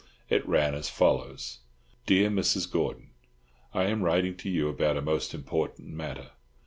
It ran as follows:— Dear Mrs. Gordon, I am writing to you about a most important matter.